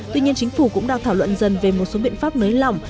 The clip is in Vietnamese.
tuy nhiên chính phủ cũng đang thảo luận dần về một số biện pháp nới lỏng